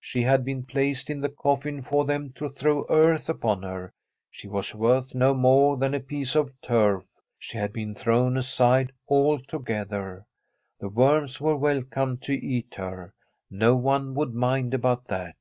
She had been placed in the coffin for them to throw earth upon her; she was worth no more than a piece of turf ; she had been thrown aside altogether. The worms were welcome to eat her; no one would mind about that.